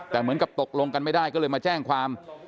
แต่เหมือนกับตกลงกันไม่ได้ก็เลยมาแจ้งความ